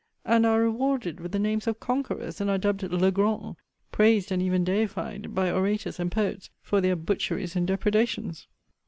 And are rewarded with the names of conquerors, and are dubbed Le Grand; praised, and even deified, by orators and poets, for their butcheries and depredations.